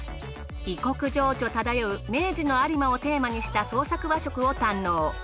異国情緒漂う明治の有馬をテーマにした創作和食を堪能。